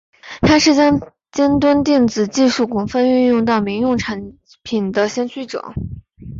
他是将尖端电子技术广泛运用到民用产品的先驱者。